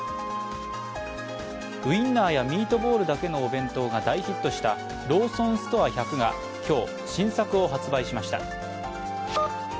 ウインナーやミートボールだけのお弁当が大ヒットしたローソンストア１００が今日、新作を発売しました。